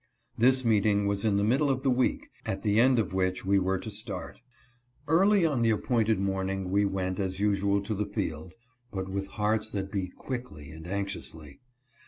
This meeting was in the middle of the week, at the end of which we were to start. Early on the appointed morning we went as usual to the field, but with hearts that beat quickly and anxiously.